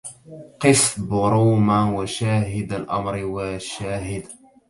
قف بروما وشاهد الأمر واشهد